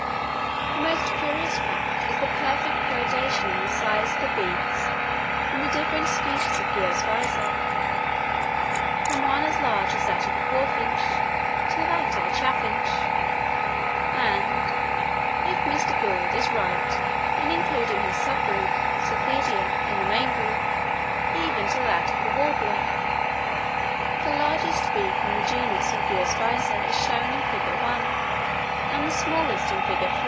The most curious fact is the perfect gradation in the size of the beaks in the different species of Geospiza, from one as large as that of a hawfinch to that of a chaffinch, and (if Mr. Gould is right in including his sub group, Certhidea, in the main group) even to that of a warbler. The largest beak in the genus Geospiza is shown in Fig. 1, and the smallest in Fig.